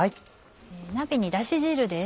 鍋にだし汁です。